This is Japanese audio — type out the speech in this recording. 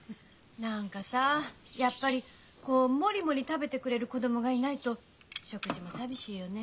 何かさぁやっぱりもりもり食べてくれる子どもがいないと食事も寂しいよね。